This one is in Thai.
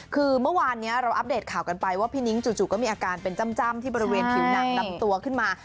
คือเมื่อวานนี้เราอัปเดตข่าวกันไปว่าพี่นิ้งจู่ก็มีอาการเป็นจ้ำที่บริเวณผิวหนังนำตัวขึ้นมา